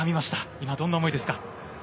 今、どんな思いですか？